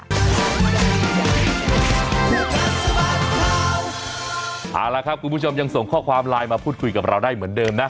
เอาละครับคุณผู้ชมยังส่งข้อความไลน์มาพูดคุยกับเราได้เหมือนเดิมนะ